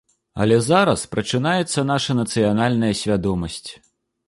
Але зараз прачынаецца наша нацыянальная свядомасць.